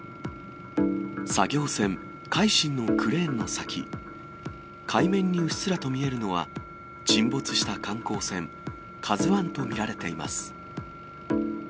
作業船海進のクレーンの先、海面にうっすらと見えるのは、沈没した観光船ＫＡＺＵＩと見られています。